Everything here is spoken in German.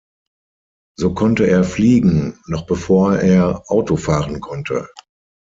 So konnte er fliegen, noch bevor er Auto fahren konnte.